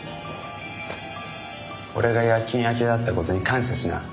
俺が夜勤明けだった事に感謝しな。